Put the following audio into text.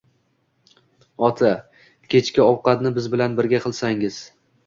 Ota, kechki ovqatni biz bilan birga qilsangiz